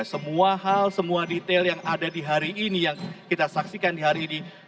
semua hal semua detail yang ada di hari ini yang kita saksikan di hari ini